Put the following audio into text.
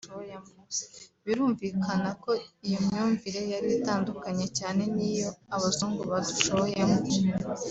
Birumvikana ko iyo myumvire yari itandukanye cyane n’iyo Abazungu badushoyemo